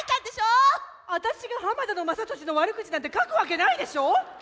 私が浜田の雅功の悪口なんて書くわけないでしょ！